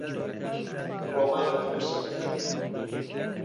ڕۆمانێک دەنووسم.